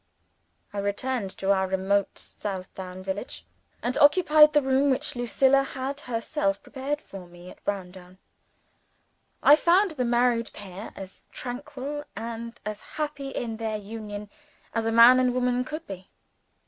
I returned to our remote Southdown village; and occupied the room which Lucilla had herself prepared for me at Browndown. I found the married pair as tranquil and as happy in their union as a man and woman could be.